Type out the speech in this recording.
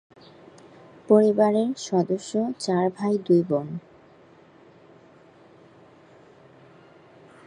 পরিবারের সদস্য চার ভাই দুই বোন।